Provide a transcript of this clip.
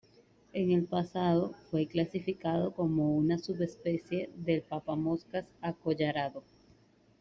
En el pasado fue clasificado como una subespecie del papamoscas acollarado.